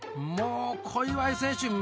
もう小祝選手